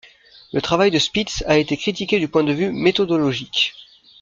Le travail de Spitz a été critiqué du point de vue méthodologique.